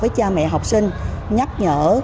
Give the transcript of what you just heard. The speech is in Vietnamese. với cha mẹ học sinh nhắc nhở